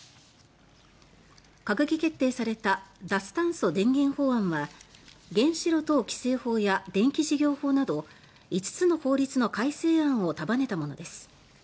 閣議決定された脱炭素電源法案は原子炉等規制法や電気事業法など５つの法律の改正案を束ねたものです。